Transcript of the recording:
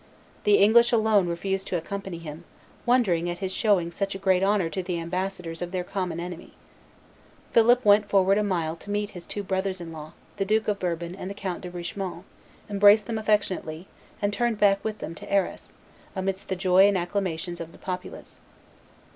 The English alone refused to accompany him, wondering at his showing such great honor to the ambassadors of their common enemy. Philip went forward a mile to meet his two brothers in law, the Duke of Bourbon and the Count de Richemont, embraced them affectionately, and turned back with them into Arras, amidst the joy and acclamations of the populace.